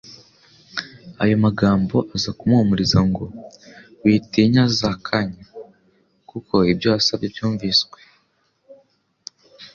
Ayo magambo aza kumuhumuriza ngo: "witinya Zakanya, kuko ibyo wasabye byumviswe."